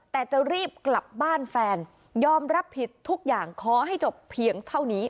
แต่จะรีบกลับบ้านแฟนยอมรับผิดทุกอย่างขอให้จบเพียงเท่านี้